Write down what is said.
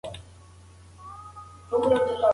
تاسې ولې د هوا د ککړتیا د مخنیوي لپاره نیالګي نه کښېنوئ؟